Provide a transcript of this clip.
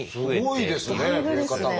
すごいですね増え方が。